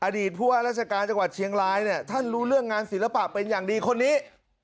ผู้ว่าราชการจังหวัดเชียงรายเนี่ยท่านรู้เรื่องงานศิลปะเป็นอย่างดีคนนี้